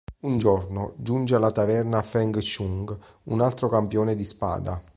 Un giorno, giunge alla taverna Feng Chung, un altro campione di spada.